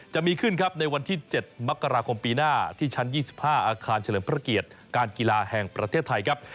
จะมีขึ้นครับในวันที่๗มกราคมปีหน้าที่ชั้น๒๕อาคารเฉลิมพระเกียรติการกีฬาแห่งประเทศไทยครับ